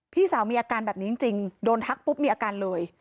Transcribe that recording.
พี่สาวมีอาการแบบนี้จริงโดนทักปุ๊บมีอาการเลย